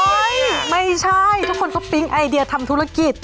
ไม่ใช่ทุกคนก็ปิ๊งไอเดียทำธุรกิจ